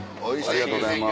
ありがとうございます。